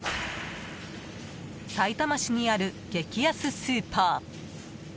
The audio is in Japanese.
さいたま市にある激安スーパー。